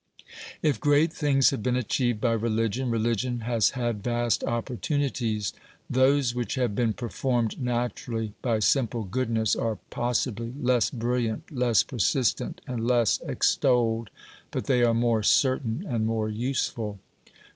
If great things have been achieved by religion, religion has had vast opportunities. Those which have been OBERMANN 169 performed naturally by simple goodness are possibly less brilliant, less persistent, and less extolled, but they are more certain and more useful.